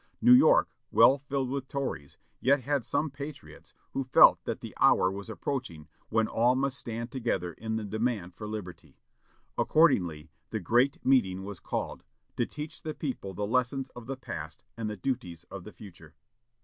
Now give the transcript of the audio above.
New York, well filled with Tories, yet had some Patriots, who felt that the hour was approaching when all must stand together in the demand for liberty. Accordingly, the "great meeting" was called, to teach the people the lessons of the past and the duties of the future.